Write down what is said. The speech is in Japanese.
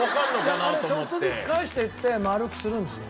あれちょっとずつ返していって丸くするんですよ。